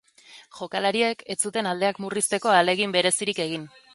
Jokalariek ez zuten aldeak murrizteko ahalegin berezirik egin.